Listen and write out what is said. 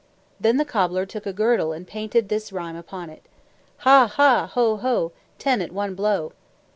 Then the cobbler took a girdle and painted this rhyme upon it: Ha, ha! Ho, ho! Ten at one blow.